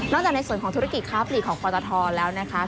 จากในส่วนของธุรกิจค้าปลีกของปตทแล้วนะคะ